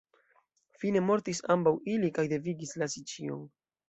Fine mortis ambaŭ ili, kaj devigis lasi ĉion.